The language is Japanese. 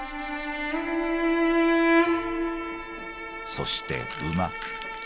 そして馬。